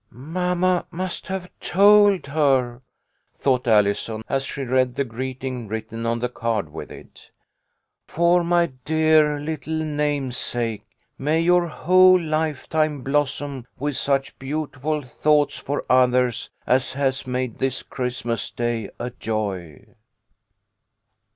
" Mamma must have told her," thought Allison, as she read the greeting written on the card with it. " For my dear little namesake. May your whole lifetime blossom with such beautiful thoughts for others as has made this Christmas day a joy."